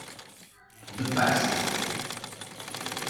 The Pest